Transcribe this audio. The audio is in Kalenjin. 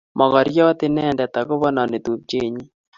Mokoriot inendet ako pononi tupchennyi